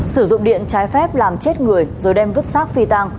sử dụng điện trái phép làm chết người rồi đem vứt xác phi tăng